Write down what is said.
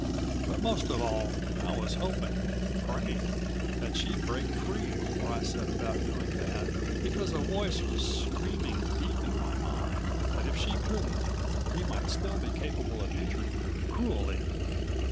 But most of all I was hoping, praying that she'd break free before I set about doing that, because a voice was screaming deep in my mind that if she couldn't he might still be capable of injuring her cruelly.